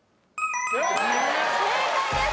正解です！